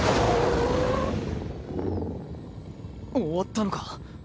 終わったのか？